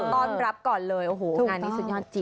ต้อนรับก่อนเลยโอ้โหงานนี้สุดยอดจริง